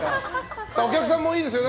お客さんもいいですよ。